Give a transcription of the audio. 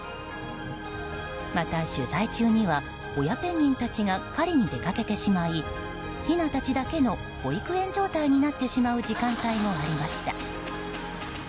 また、取材中には親ペンギンたちが狩りに出かけてしまいヒナたちだけの保育園状態になってしまう時間帯もありました。